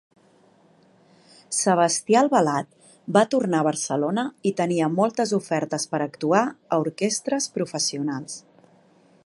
Sebastià Albalat va tornar a Barcelona i tenia moltes ofertes per actuar a orquestres professionals.